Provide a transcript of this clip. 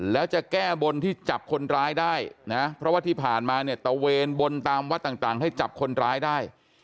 แล้วจะแก้บนที่จับคนร้ายได้นะเพราะว่าที่ผ่านมาเนี่ยตะเวนบนตามวัดต่างให้จับคนร้ายได้